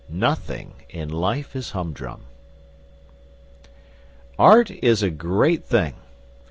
X NOTHING IN LIFE IS HUMDRUM Art is a great thing.